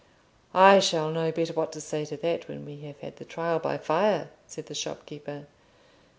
"I shall know better what to say to that when we have had the Trial by Fire," said the shopkeeper.